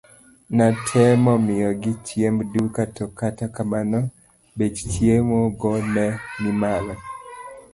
Natemo miyogi chiemb duka to kata kamano bech chiemo go ne ni malo.